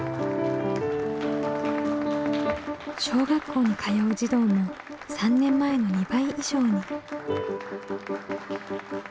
小学校に通う児童も３年前の２倍以上に。